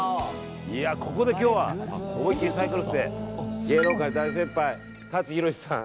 ここで今日は思い切りサイコロを振って芸能界大先輩、舘ひろしさん